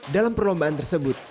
dalam perlombaan tersebut